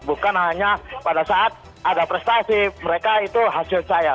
bukan hanya pada saat ada prestasi mereka itu hasil saya